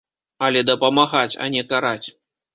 Але дапамагаць, а не караць.